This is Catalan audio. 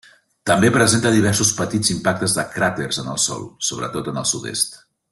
També presenta diversos petits impactes de cràters en el sòl, sobretot en el sud-est.